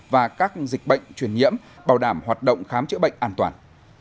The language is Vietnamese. và các dịch bệnh truyền nhiễm bảo đảm hoạt động khám chữa bệnh an toàn